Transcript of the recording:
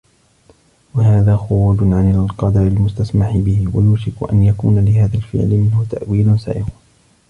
وَهَذَا خُرُوجٌ عَنْ الْقَدْرِ الْمُسْتَسْمَحِ بِهِ وَيُوشِكُ أَنْ يَكُونَ لِهَذَا الْفِعْلِ مِنْهُ تَأْوِيلٌ سَائِغٌ